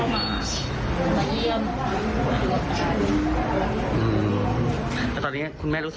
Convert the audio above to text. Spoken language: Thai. ไม่อยากให้มีใครเกิดบัตริเหตุ